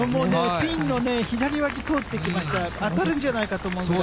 ピンのね、左脇通っていきましたよ、当たるんじゃないかと思うぐらい。